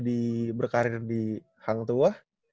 diberkarir di hang tuah